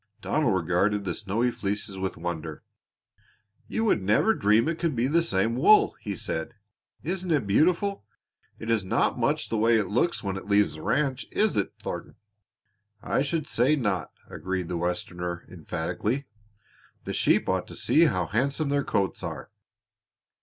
Donald regarded the snowy fleeces with wonder. "You would never dream it could be the same wool!" he said. "Isn't it beautiful? It is not much the way it looks when it leaves the ranch, is it, Thornton?" "I should say not," agreed the Westerner emphatically. "The sheep ought to see how handsome their coats are."